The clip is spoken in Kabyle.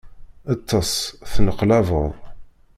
Ṭṭes, tenneqlabeḍ.